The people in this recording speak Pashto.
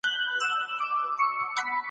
نړیوال قوانین خپلواکۍ ته درناوی کوي.